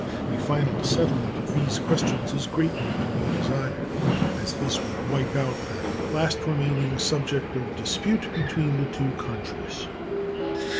A final settlement of these questions is greatly to be desired, as this would wipe out the last remaining subject of dispute between the two countries.